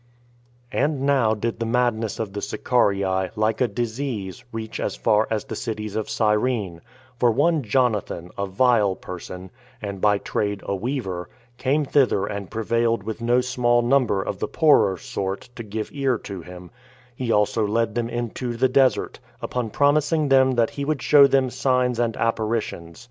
And now did the madness of the Sicarii, like a disease, reach as far as the cities of Cyrene; for one Jonathan, a vile person, and by trade a weaver, came thither and prevailed with no small number of the poorer sort to give ear to him; he also led them into the desert, upon promising them that he would show them signs and apparitions.